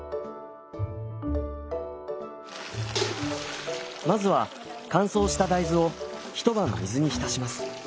まずは乾燥した大豆を一晩水に浸します。